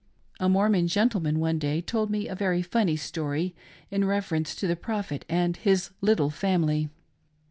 A Mormon gentleman one day told me a very funny story in reference to the Prophet and his little family.